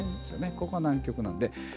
ここが南極なんで。